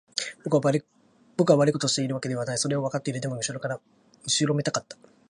僕は悪いことをしているわけではない。それはわかっている。でも、後ろめたかった。